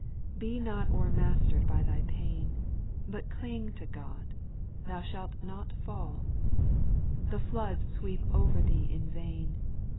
.* 5. Be not o'er mastered by thy pain. But cling to God, thou shalt not fall ; The floods sweep over thee in vain.